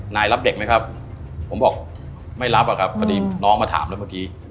รับเด็กไหมครับผมบอกไม่รับอะครับพอดีน้องมาถามแล้วเมื่อกี้